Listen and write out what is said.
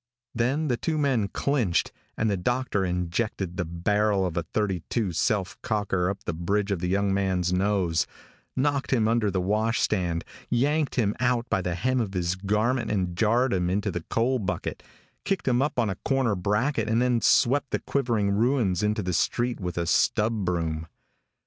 Then the two men clinched and the doctor injected the barrel of a thirty two self cocker up the bridge of the young man's nose, knocked him under the wash stand, yanked him out by the hem of his garment and jarred him into the coal bucket, kicked him up on a corner bracket and then swept the quivering ruins into the street with a stub broom.